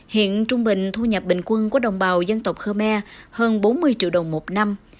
hiện trung bình thu nhập bình quân của đồng bào dân tộc khmer hơn bốn mươi triệu đồng một năm